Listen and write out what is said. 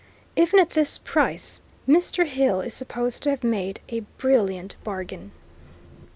Even at this price Mr. Hill is supposed to have made a brilliant bargain.